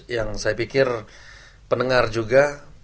yang saya pikir pendengar juga